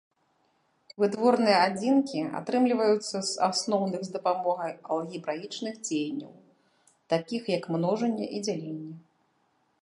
Вытворныя адзінкі атрымліваюцца з асноўных з дапамогай алгебраічных дзеянняў, такіх як множанне і дзяленне.